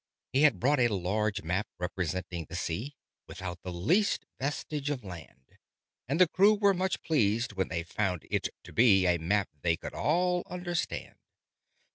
He had bought a large map representing the sea, Without the least vestige of land: And the crew were much pleased when they found it to be A map they could all understand.